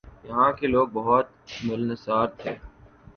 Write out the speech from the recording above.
یہاں کے لوگ بہت ملنسار تھے ۔